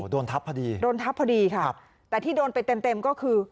โดนทับพอดีโดนทับพอดีค่ะครับแต่ที่โดนไปเต็มเต็มก็คือ